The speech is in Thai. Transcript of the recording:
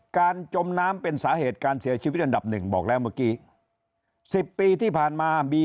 การจมน้ำเป็นสาเหตุการเสียชีวิตอันดับหนึ่งบอกแล้วเมื่อกี้